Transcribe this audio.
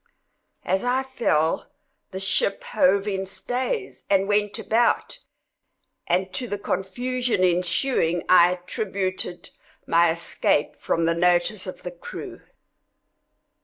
As I fell, the ship hove in stays, and went about; and to the confusion ensuing I attributed my escape from the notice of the crew.